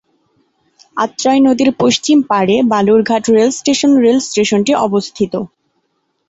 আত্রাই নদীর পশ্চিম পাড়ে বালুরঘাট রেল স্টেশন রেলস্টেশনটি অবস্থিত।